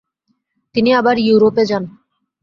তিনি আবার ইউরোপে যান।